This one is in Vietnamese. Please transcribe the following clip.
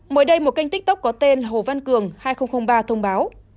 mới đây một kênh tiktok có tên hồ văn cường hai nghìn ba thông báo